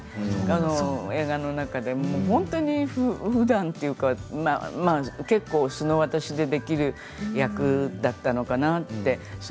映画の中で本当にふだんというか素の私でできる役だったのかなと。